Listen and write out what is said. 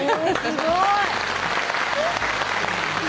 すごい！